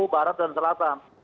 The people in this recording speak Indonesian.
barat dan selatan